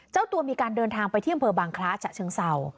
เจ้าตัวมีการเดินทางไปที่อำเภอบางคล้าฉะเชิงเศร้า